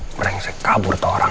brengsek kabur tau orang